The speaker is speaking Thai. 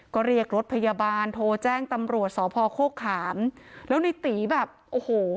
ก็เรียกรถพยาบาลโทรแจ้งตำรวจสพโฆขามแล้วในตีแบบโอ้โห